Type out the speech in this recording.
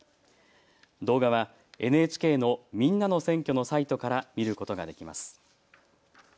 動画はＮＨＫのみんなの選挙のサイトから見ることができます。